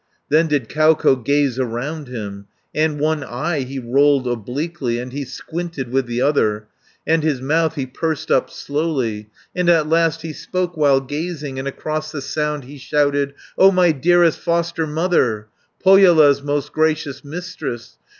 Then did Kauko gaze around him, And one eye he rolled obliquely, And he squinted with the other, And his mouth he pursed up slowly, And at last he spoke, while gazing, And across the sound he shouted, 490 "O my dearest foster mother, Pohjola's most gracious Mistress!